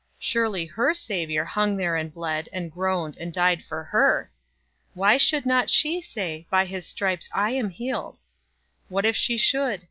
Surely her Savior hung there, and bled, and groaned, and died for HER. Why should not she say, "By his stripes I am healed?" What if she should?